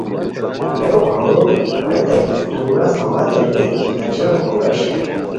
ریکو کومورو ریتائے کی تونست متے لودیت کی تہ ژان کورا شیر